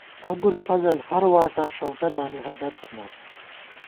ابُوالفضل ہر واٹاں ݭؤٹہ دامی ہَدَت تھنہ